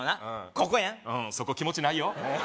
ここやんそこ気持ちないよ